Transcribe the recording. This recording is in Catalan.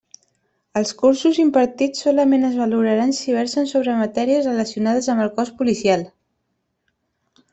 Els cursos impartits solament es valoraran si versen sobre matèries relacionades amb el cos policial.